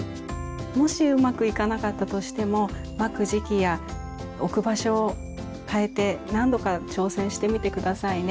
もしうまくいかなかったとしてもまく時期や置く場所を変えて何度か挑戦してみて下さいね。